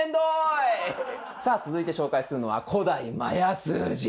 さあ続いて紹介するのは「古代マヤ数字」。